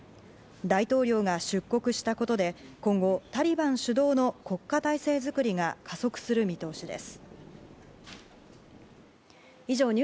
大統領が出国したことで今後、タリバン主導の国家体制作りが加速する見通しです。